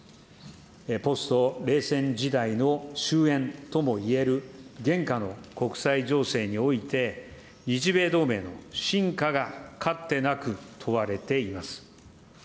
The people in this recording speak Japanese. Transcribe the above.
ポスト冷戦時代の終えんともいえる現下の国際情勢において、日米同盟の深化がかつてなく問われています。